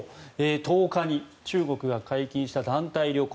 １０日に中国が解禁した団体旅行。